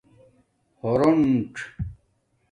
حرݸڅ